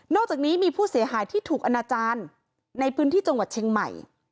อกจากนี้มีผู้เสียหายที่ถูกอนาจารย์ในพื้นที่จังหวัดเชียงใหม่